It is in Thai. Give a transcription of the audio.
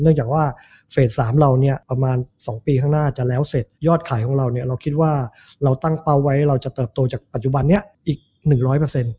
เนื่องจากว่าเฟสสามเราเนี่ยประมาณสองปีข้างหน้าจะแล้วเสร็จยอดขายของเราเนี่ยเราคิดว่าเราตั้งเปล่าไว้เราจะเติบโตจากปัจจุบันนี้อีกหนึ่งร้อยเปอร์เซ็นต์